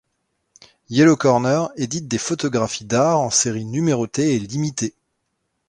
YellowKorner édite des photographies d'art en série numérotée et limitée.